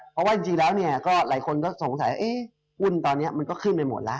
เพราะว่าจริงแล้วเนี่ยก็หลายคนก็สงสัยหุ้นตอนนี้มันก็ขึ้นไปหมดแล้ว